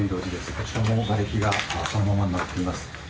こちらもがれきがそのままになっています。